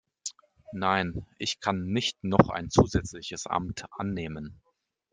Nein, ich kann nicht noch ein zusätzliches Amt annehmen.